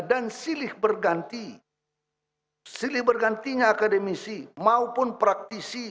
dan silih bergantinya akademisi maupun praktisi